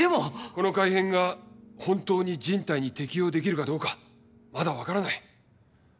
この改変が本当に人体に適用できるかどうかまだ分からない。